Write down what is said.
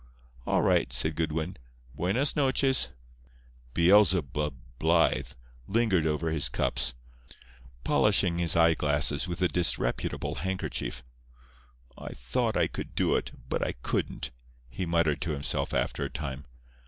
"All right," said Goodwin. "Buenas noches." "Beelzebub" Blythe lingered over his cups, polishing his eyeglasses with a disreputable handkerchief. "I thought I could do it, but I couldn't," he muttered to himself after a time.